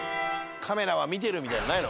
「カメラは見てる」みたいなのないの？